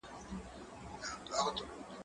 زه کولای سم ږغ واورم؟!